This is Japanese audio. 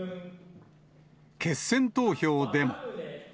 決選投票でも。